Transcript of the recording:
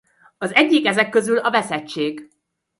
Az egyik ezek közül a veszettség.